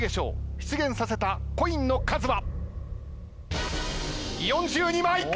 出現させたコインの数は。